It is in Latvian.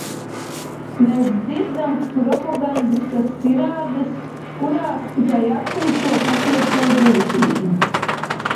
Mēs dzirdam propagandistiskas tirādes, kuras tikai aptumšo patieso būtību.